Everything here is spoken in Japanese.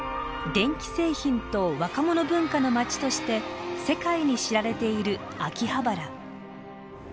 電気製品と若者文化の街として世界に知られている秋葉原。